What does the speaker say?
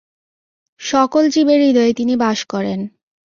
সকল জীবের হৃদয়ে তিনি বাস করেন।